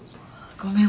ごめん。